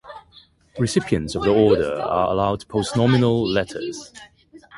Recipients of the Order are allowed Post-nominal letters.